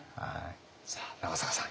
さあ長坂さん